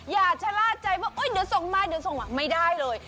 อย่าชัดลากใจว่าเฏี๋ยวส่งมาไม่ได้เลย